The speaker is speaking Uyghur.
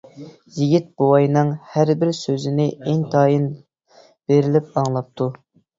يىگىت بوۋاينىڭ ھەربىر سۆزىنى ئىنتايىن بېرىلىپ ئاڭلاپتۇ.